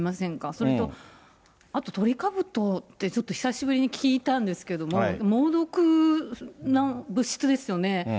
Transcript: それと、あとトリカブトってちょっと久しぶりに聞いたんですけれども、猛毒な物質ですよね。